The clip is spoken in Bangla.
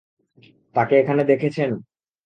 তাকে এখানে দেখেছেন?